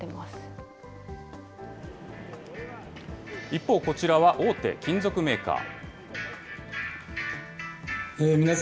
一方、こちらは大手金属メーカー。